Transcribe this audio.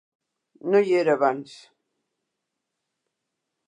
No hi era abans.